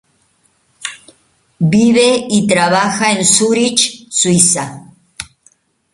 Vive y trabaja en Zúrich, Suiza.